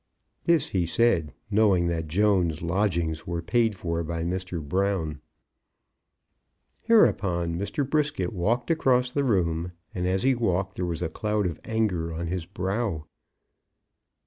This he said knowing that Jones's lodgings were paid for by Mr. Brown. Hereupon Mr. Brisket walked across the room, and as he walked there was a cloud of anger on his brow.